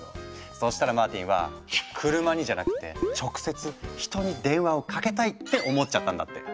そしたらマーティンは「クルマにじゃなくって直接人に電話をかけたい」って思っちゃったんだって。